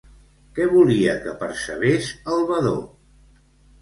Què volia que percebés el Vadó?